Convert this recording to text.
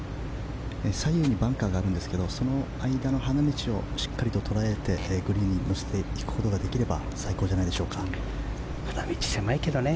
左右にバンカーがあるんですけどその間の花道をしっかりと捉えて、グリーンに乗せていくことができれば花道、狭いけどね。